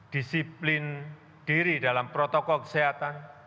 disiplin diri dalam protokol kesehatan